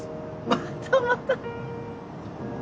またまた。